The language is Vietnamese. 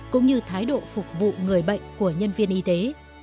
cũng như thái độ phục vụ người bệnh của nhân viên y tế